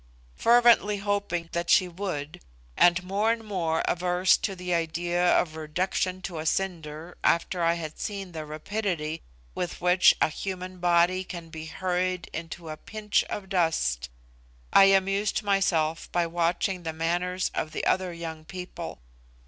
Fervently hoping that she would, and more and more averse to the idea of reduction to a cinder after I had seen the rapidity with which a human body can be hurried into a pinch of dust, I amused myself by watching the manners of the other young people.